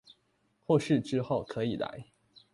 或是之後可以來